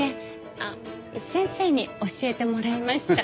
あっ先生に教えてもらいました。